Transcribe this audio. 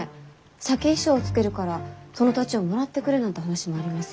酒一升つけるからその土地をもらってくれなんて話もあります。